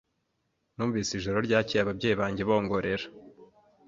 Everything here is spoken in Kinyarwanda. Numvise ijoro ryakeye ababyeyi banjye bongorera.